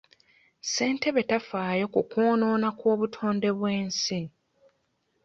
Ssentebe tafaayo ku kwonoona kw'obutonde bw'ensi.